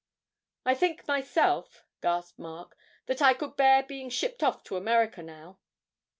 'I think myself,' gasped Mark, 'that I could bear being shipped off to America now.'